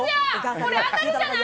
これ、当たるんじゃない？